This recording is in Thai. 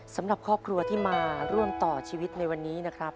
สำหรับครอบครัวที่มาร่วมต่อชีวิตในวันนี้นะครับ